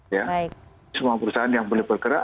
ya semua perusahaan yang boleh bergerak